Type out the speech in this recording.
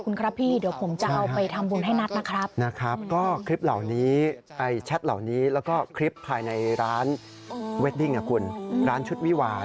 ในราคา๕๐๐๐บาท